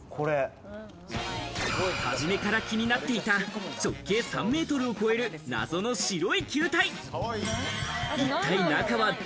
初めから気になっていた直径３ｍを超える謎の白い球体。